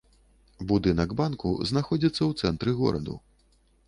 Будынак банку знаходзіцца ў цэнтры гораду.